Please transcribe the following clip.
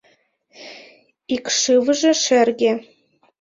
Икшывыже шерге.